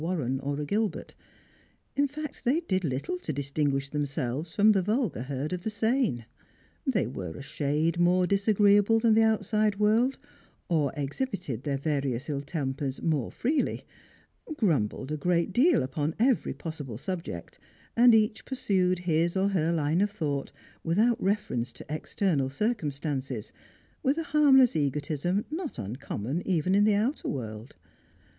Warren or a Gilbert ; in fact, they did little to distinguisli them« selves from the vulgar herd of the sane. They were a shade more disagreeable than the outside world, or exhibited their various ill tempers more freely ; grumbled a great deal upon every possible subject, and each pursued his or her line of thought without reference to external circumstances, with a harmless egotism not uncommon even in the outer world.